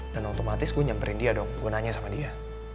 dan otomatis gue nyamperin dia dong gue nanya sama dia